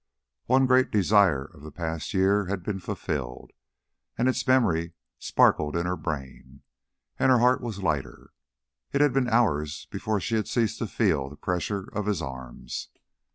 One great desire of the past year had been fulfilled, and its memory sparkled in her brain, and her heart was lighter. It had been hours before she had ceased to feel the pressure of his arms.